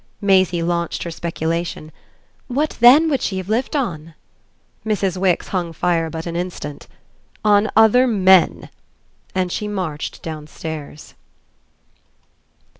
Maisie launched her speculation. "What then would she have lived on?" Mrs. Wix hung fire but an instant. "On other men!" And she marched downstairs.